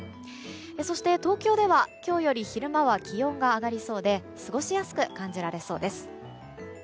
そして東京では、今日より昼間は気温が上がりそうで過ごしやすく感じられそうです。